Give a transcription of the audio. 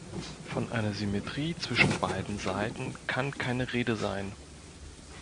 Von einer Symmetrie zwischen beiden Seiten kann keine Rede sein.